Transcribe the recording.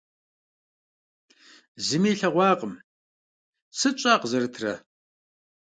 Зыми илъэгъуакъым. Сыт щӀа къызэрытрэ!